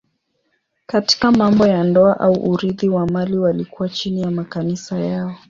Katika mambo ya ndoa au urithi wa mali walikuwa chini ya makanisa yao.